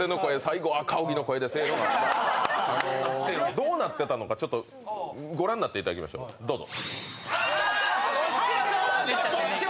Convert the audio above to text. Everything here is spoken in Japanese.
どうなってたのかちょっとご覧になっていただきましょう、どうぞ。